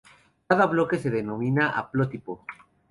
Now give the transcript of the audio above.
Cada bloque se denomina haplotipo.